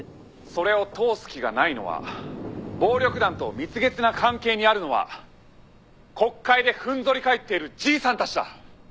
「それを通す気がないのは暴力団と蜜月な関係にあるのは国会で踏ん反り返っている爺さんたちだ！」